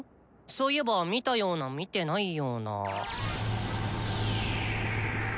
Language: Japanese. そういえば見たような見てないような。